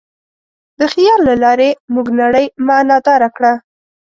د خیال له لارې موږ نړۍ معنیداره کړه.